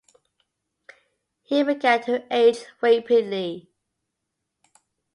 He began to age rapidly.